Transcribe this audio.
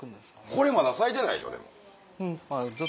これまだ咲いてないでしょでも。